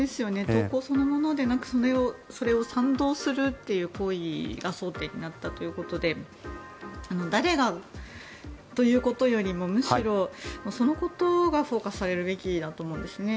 投稿そのものではなくそれに賛同するという行為が争点になったということで誰がということよりもむしろそのことがフォーカスされるべきだと思うんですね。